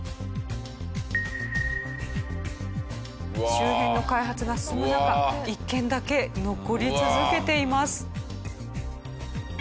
周辺の開発が進む中一軒だけ残り続けています。